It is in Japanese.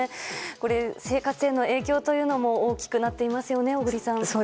生活の影響というのも大きくなっていますね、小栗さん。